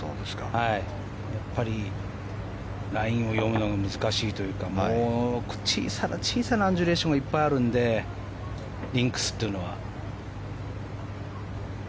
やっぱりラインを読むのが難しいというか小さな小さなアンジュレーションがいっぱいあるのでリンクスというのは。